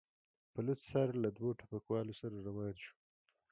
په لوڅ سر له دوو ټوپکوالو سره روان شو.